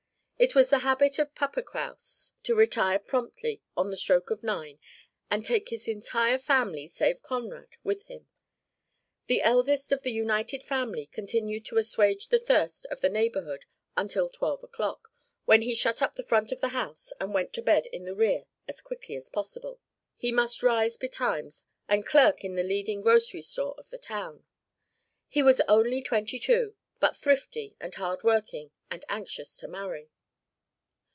It was the habit of Papa Kraus to retire promptly on the stroke of nine and take his entire family, save Conrad, with him. The eldest of the united family continued to assuage the thirst of the neighbourhood until twelve o'clock, when he shut up the front of the house and went to bed in the rear as quickly as possible; he must rise betimes and clerk in the leading grocery store of the town. He was only twenty two, but thrifty and hard working and anxious to marry.